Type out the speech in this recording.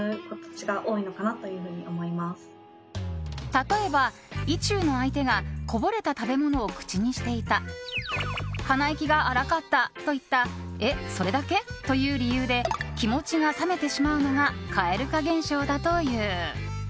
例えば、意中の相手がこぼれた食べ物を口にしていた鼻息が荒かったといったえっ、それだけ？という理由で気持ちが冷めてしまうのが蛙化現象だという。